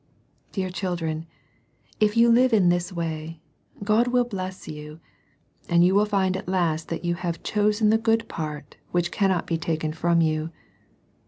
Dear children, if you live in this way, God will bless you, and you will find at last that you have "chosen the good part which cannot be taken from you."